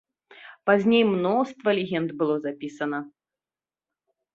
Пазней мноства легенд было запісана.